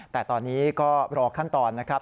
แต่ตอนนี้ก็รอขั้นตอนนะครับ